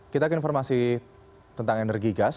kita ke informasi tentang energi gas